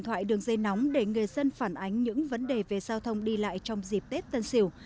đây là một dây nóng để người dân phản ánh những vấn đề về giao thông đi lại trong dịp tết tân sỉu